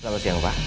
selamat siang pak